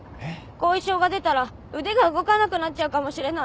後遺症が出たら腕が動かなくなっちゃうかもしれない。